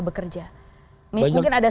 bekerja mungkin ada